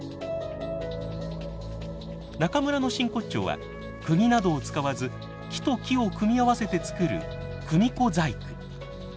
中村の真骨頂は釘などを使わず木と木を組み合わせてつくる組子細工。